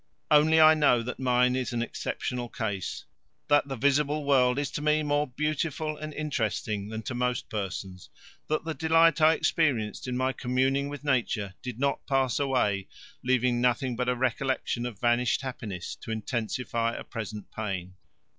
Only I know that mine is an exceptional case, that the visible world is to me more beautiful and interesting than to most persons, that the delight I experienced in my communing with Nature did not pass away, leaving nothing but a recollection of vanished happiness to intensify a present pain.